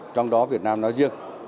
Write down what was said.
trong đó việt nam nói riêng